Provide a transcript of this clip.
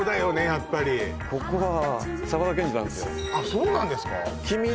やっぱりここはそうなんですか？